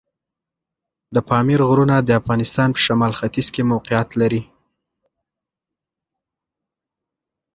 د پامیر غرونه د افغانستان په شمال ختیځ کې موقعیت لري.